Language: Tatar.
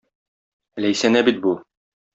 Ләйсәнә бит бу!